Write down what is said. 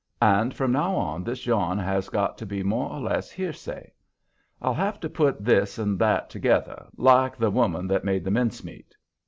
And from now on this yarn has got to be more or less hearsay. I'll have to put this and that together, like the woman that made the mince meat.